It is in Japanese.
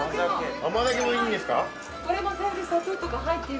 ◆甘酒もいいんですか。